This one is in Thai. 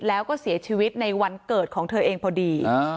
แล้วก็เสียชีวิตในวันเกิดของเธอเองพอดี